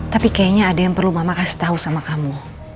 tapi kayaknya ada yang perlu mama kasih tahu sama kamu